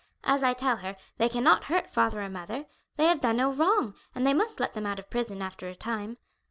As I tell her, they cannot hurt father or mother. They have done no wrong, and they must let them out of prison after a time.